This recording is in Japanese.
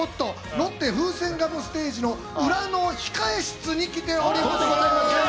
ロッテふせんガムステージの裏の控え室に来ております。